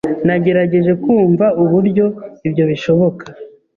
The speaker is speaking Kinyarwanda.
Nagerageje kumva uburyo ibyo bishoboka.